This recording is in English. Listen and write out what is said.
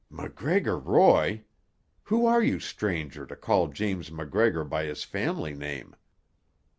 "MacGregor Roy! Who are you, stranger, to call James MacGregor by his family name?"